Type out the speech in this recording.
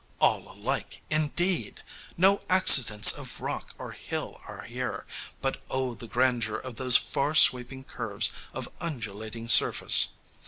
"All alike," indeed! No "accidents" of rock or hill are here, but oh the grandeur of those far sweeping curves of undulating surface!